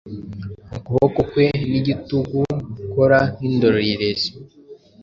Ukuboko kwe nigitugugukora nkindorerezi